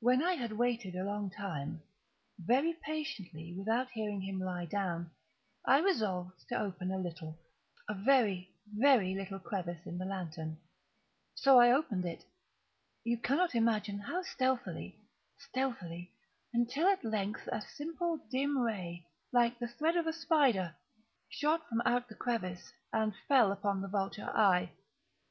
When I had waited a long time, very patiently, without hearing him lie down, I resolved to open a little—a very, very little crevice in the lantern. So I opened it—you cannot imagine how stealthily, stealthily—until, at length a simple dim ray, like the thread of the spider, shot from out the crevice and fell full upon the vulture eye.